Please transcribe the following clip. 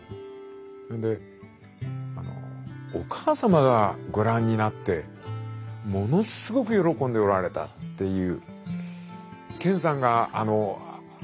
それであのお母様がご覧になってものすごく喜んでおられたっていう。